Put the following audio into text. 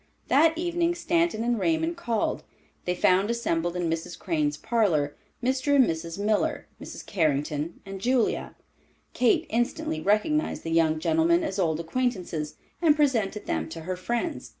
That evening Stanton and Raymond called. They found assembled in Mrs. Crane's parlor, Mr. and Mrs. Miller, Mrs. Carrington and Julia. Kate instantly recognized the young gentlemen as old acquaintances, and presented them to her friends.